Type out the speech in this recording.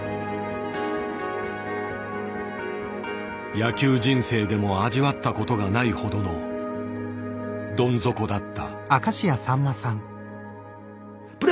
野球人生でも味わったことがないほどのどん底だった。